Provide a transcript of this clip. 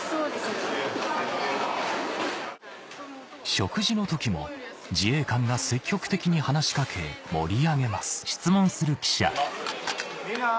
食事の時も自衛官が積極的に話し掛け盛り上げます